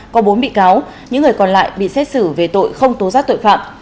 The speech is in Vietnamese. có bốn bị cáo những người còn lại bị xét xử về tội không tố giác tội phạm